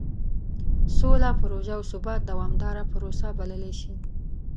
سوله پروژه او ثبات دومداره پروسه بللی شي.